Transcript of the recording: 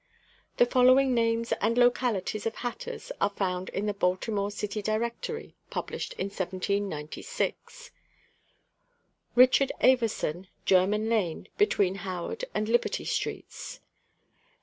The following names and localities of hatters are found in the Baltimore City Directory published in 1796: RICHARD AVERSON, German lane, between Howard and Liberty streets.